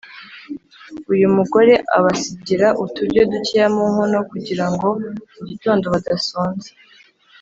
Uyumugore abasigira uturyo dukeya mu nkono kugirango mu gitondo badasonza